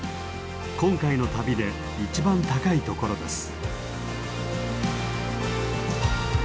今回の旅で一番高いところです。